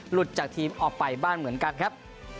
หลุดจากทีมออกไปบ้านเหมือนกันครับ